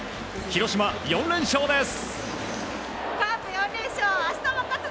広島、４連勝です。